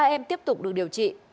ba em tiếp tục được điều trị